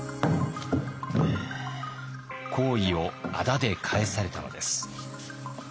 好意をあだで返されたのです。